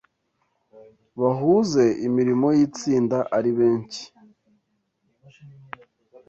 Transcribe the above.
bahuze imirimo yitsinda ari benshyi